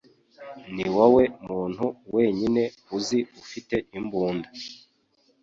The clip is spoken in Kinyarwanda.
Niwowe muntu wenyine uzi ufite imbunda.